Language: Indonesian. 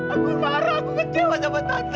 aku marah aku kecewa sama tante